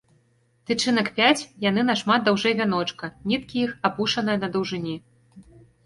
Тычынак пяць, яны нашмат даўжэй вяночка, ніткі іх апушаныя на даўжыні.